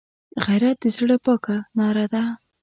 غیرت د زړه پاکه ناره ده